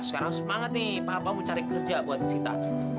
sekarang semangat nih papa mau cari kerja buat sita